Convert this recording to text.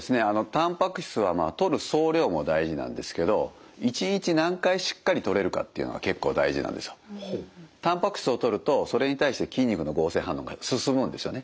たんぱく質はとる総量も大事なんですけどたんぱく質をとるとそれに対して筋肉の合成反応が進むんですよね。